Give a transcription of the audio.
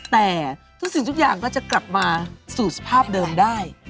แต่ทุกสิ่งทุกอย่างก็จะกลับมาสู่สภาพเดิมได้